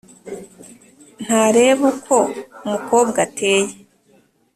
ntareba uko umukobwa ateye